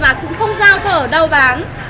và cũng không giao cho ở đâu bán